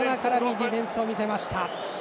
ディフェンスを見せました。